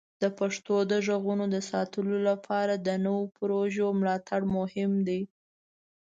د پښتو د غږونو د ساتلو لپاره د نوو پروژو ملاتړ مهم دی.